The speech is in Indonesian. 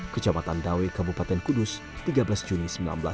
kejamatan dawit kabupaten kudus tiga belas juni seribu sembilan ratus enam puluh empat